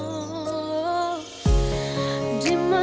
sungguh susah buat lupa